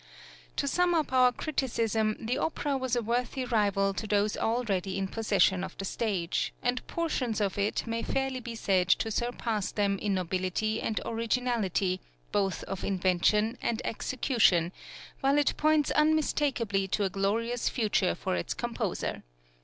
To sum up our criticism, the opera was a worthy rival to those already in possession of the stage, and portions of it may fairly be said to surpass them in nobility and originality both of invention and execution, while it points unmistakably to a glorious future for its composer.